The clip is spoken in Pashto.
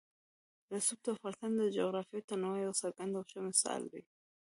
رسوب د افغانستان د جغرافیوي تنوع یو څرګند او ښه مثال دی.